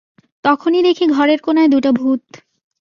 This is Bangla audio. তখনি দেখি ঘরের কোণায় দুটা ভূত।